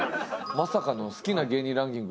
まさかの好きな芸人ランキング